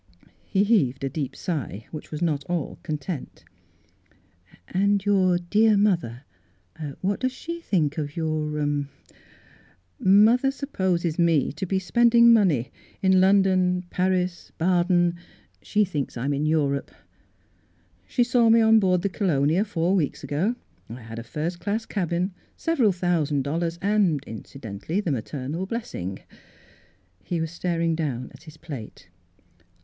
He heaved a deep sigh, which was not all content. " And your dear mother — what does she think of — of your —"" Mother supposes me to be spending money in London, Paris, Baden — she thinks I'm in Europe. She saw me on board the Calonia four weeks ago. I had a first class cabin, several thousand dol lars and, incidentally, the maternal bless ing." He was staring down at his plate.